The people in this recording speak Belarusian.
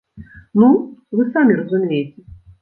Ну, вы самі разумееце.